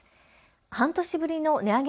半年ぶりの値上げ